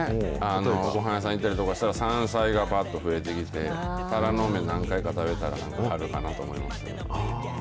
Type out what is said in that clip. ごはん屋さんに行ったりとかしたら、山菜がばっと増えてきて、タラの芽何回か食べたら、春かなと思いますね。